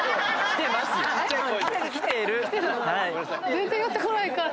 全然寄ってこないから。